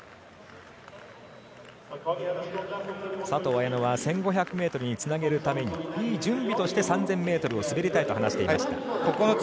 佐藤綾乃は１５００ｍにつなげるためにいい準備として３０００ｍを滑りたいと話していました。